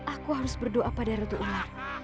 aku harus berdoa pada ratu ular